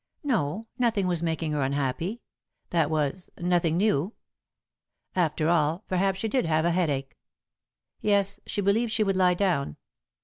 No, nothing was making her unhappy that was, nothing new. After all, perhaps she did have a headache. Yes, she believed she would lie down.